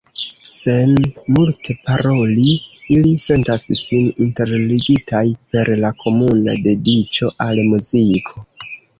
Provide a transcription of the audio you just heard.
Sen multe paroli, ili sentas sin interligitaj per la komuna dediĉo al muziko.